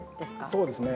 そうですね。